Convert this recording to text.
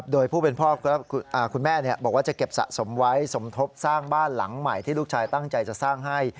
โดยผู้เป็นพ่อคุณแม่บอกว่าจะเก็บสะสมไว้สมทบสร้างบ้านหลังใหม่ที่ลูกชายตั้งใจจะสร้างให้